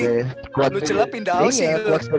kalo lu cela pindah ausi lu